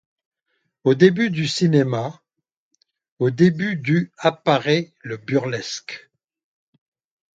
Au début du cinéma, au début du apparaît le Burlesque.